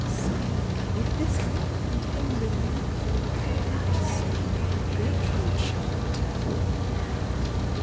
Speak, if this world contain relief, That soon thy Gertrude shall obtain.